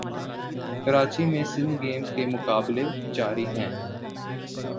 کراچی میں سندھ گیمز کے مقابلے جاری ہیں